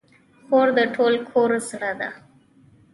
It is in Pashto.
خور د ټول کور زړه ده.